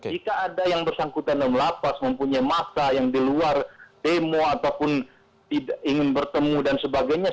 jika ada yang bersangkutan dalam lapas mempunyai masa yang di luar demo ataupun ingin bertemu dan sebagainya